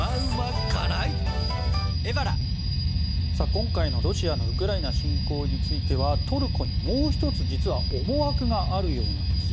今回のロシアのウクライナ侵攻についてはトルコにもう１つ実は思惑があるようなんです。